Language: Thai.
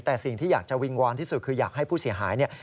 แต่สิ่งที่อยากจะวิงวอนที่สุดคืออยากให้ผู้เสียหายเนี่ย